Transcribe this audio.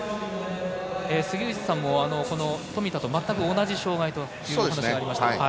杉内さんも富田と全く同じ障がいというお話がありました。